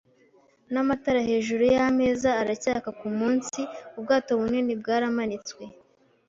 n'amatara hejuru yameza aracyaka kumunsi. Ubwato bunini bwaramanitswe